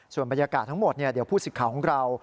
ส่วนบรรยากาศทั้งหมดเดี๋ยวผู้สิทธิ์ข่าวของเรา